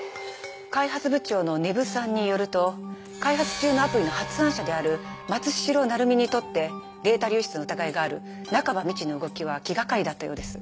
開発部長の根布さんによると開発中のアプリの発案者である松代成実にとってデータ流出の疑いがある中葉美智の動きは気がかりだったようです。